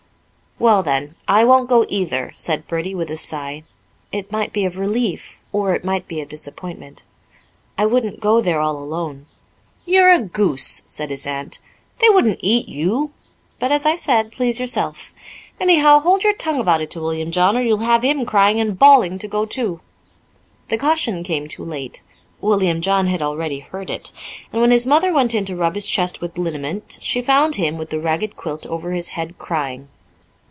"Well, then, I won't go either," said Bertie with a sigh, it might be of relief, or it might be of disappointment. "I wouldn't go there all alone." "You're a goose!" said his aunt. "They wouldn't eat you. But as I said, please yourself. Anyhow, hold your tongue about it to William John, or you'll have him crying and bawling to go too." The caution came too late. William John had already heard it, and when his mother went in to rub his chest with liniment, she found him with the ragged quilt over his head crying.